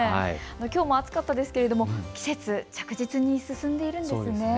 きょうも暑かったですけれども季節、着実に進んでいるんですね。